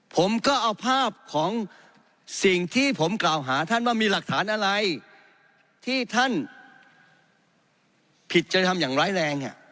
ผมก็เอาภาพของสิ่งที่ผมกล่าวหาท่านว่ามีหลักฐานอะไรที่ท่านผิดจะทำอย่างร้ายแรง